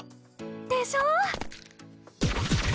でしょ！